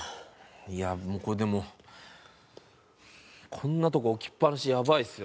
いやもうこれでもこんなとこ置きっぱなしやばいですよ。